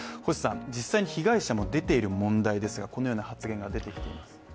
実際に被害者も出ている問題ですがこのような発言が出ています。